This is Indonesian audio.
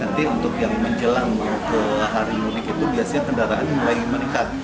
nanti untuk yang menjelang ke hari unik itu biasanya kendaraan mulai meningkat